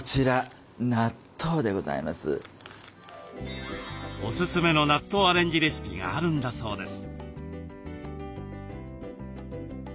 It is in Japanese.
こちらおすすめの納豆アレンジレシピがあるんだそうです。